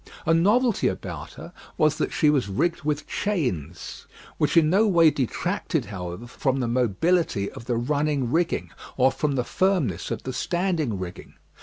A novelty about her was that she was rigged with chains, which in no way detracted, however, from the mobility of the running rigging, or from the firmness of the standing rigging.